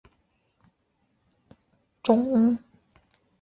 银州柴胡为伞形科柴胡属下的一个种。